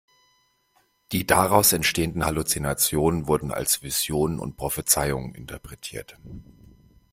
Die daraus entstehenden Halluzinationen wurden als Visionen und Prophezeiungen interpretiert.